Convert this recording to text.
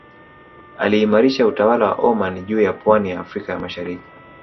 Aliimarisha utawala wa Omani juu ya pwani ya Afrika ya Mashariki